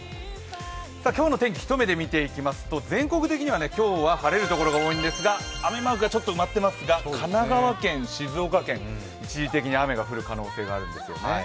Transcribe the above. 今日の天気、一目で見ていきますと全国的には晴れるところが多いんですが雨マークが、ちょっと埋まってますが神奈川県、静岡県一時的に雨が降る可能性があるんですよね。